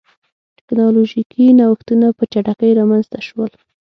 ټکنالوژیکي نوښتونه په چټکۍ رامنځته شول.